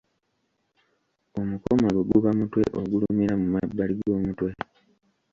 Omukomago guba mutwe ogulumira mu mabbali g’omutwe.